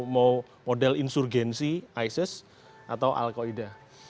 mau model insurgensi isis atau al qaeda